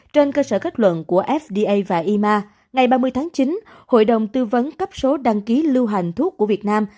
trên cơ sở kết luận của fda và yma ngày ba mươi tháng chín hội đồng tư vấn cấp số đăng ký lưu hành thuốc của việt nam